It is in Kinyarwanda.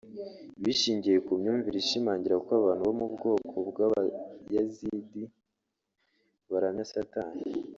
bishingiye ku myumvire ishimangira ko abantu bo mu bwoko bw’ Abayazidi baramya Satani